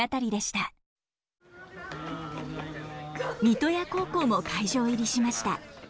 三刀屋高校も会場入りしました。